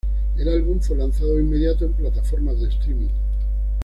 El álbum fue lanzado de inmediato en plataformas streaming.